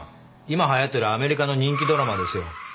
今はやってるアメリカの人気ドラマですよ。